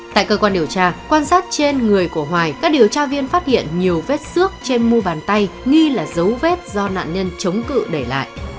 tại cơ quan điều tra quan sát trên người của hoài các điều tra viên phát hiện nhiều vết xước trên mu bàn tay nghi là dấu vết do nạn nhân chống cự để lại